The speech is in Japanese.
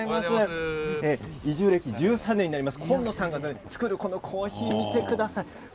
移住歴１３年になります紺野さんが作るコーヒー見てください。